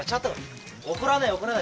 怒らねえ怒らない。